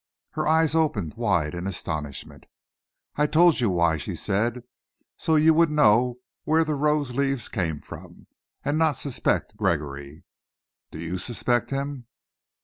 Her eyes opened wide in astonishment. "I told you why," she said: "so you would know where the rose leaves came from, and not suspect Gregory." "Do you suspect him?"